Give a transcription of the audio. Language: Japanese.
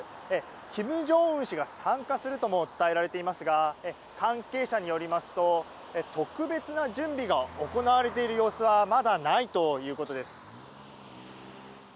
金正恩氏が参加するとも伝えられていますが関係者によりますと特別な準備が行われている様子はまだないということです。